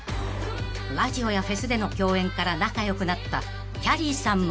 ［ラジオやフェスでの共演から仲良くなったきゃりーさんも］